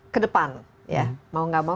ke depan ya mau gak mau